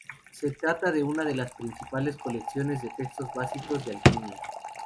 Se trata de una de las principales colecciones de textos básicos de alquimia.